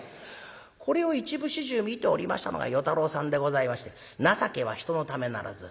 これを一部始終見ておりましたのが与太郎さんでございまして「情けは人のためならず」